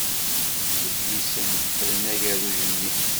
Iflisen ffren agerruj-nni.